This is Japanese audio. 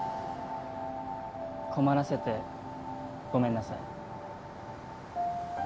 困らせてごめんなさい。